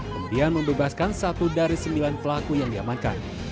kemudian membebaskan satu dari sembilan pelaku yang diamankan